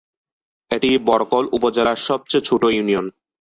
এটি বরকল উপজেলার সবচেয়ে ছোট ইউনিয়ন।